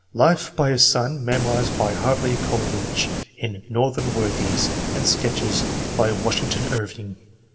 (Life by his son. Memoirs by Hartley Coleridge in " Northern Worthies," and " Sketches " by Washington Irving.)